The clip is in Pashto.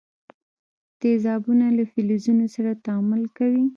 تیزابونه له فلزونو سره تعامل کوي.